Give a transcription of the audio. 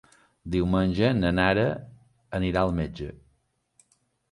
Diumenge na Nara anirà al metge.